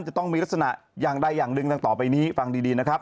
จะต้องมีลักษณะอย่างใดอย่างหนึ่งดังต่อไปนี้ฟังดีนะครับ